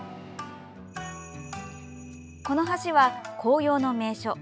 この橋は、紅葉の名所